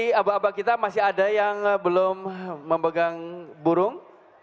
jadi abang abang kita masih ada yang belum memegang burung